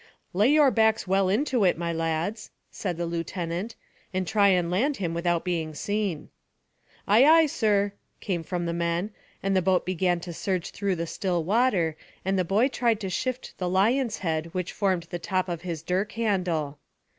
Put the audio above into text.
"Lay your backs well into it, my lads," said the lieutenant, "and try and land him without being seen." "Ay, ay, sir!" came from the men, the boat began to surge through the still water, and the boy tried to shift the lion's head which formed the top of his dirk handle.